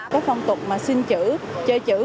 các phong tục xin chữ chơi chữ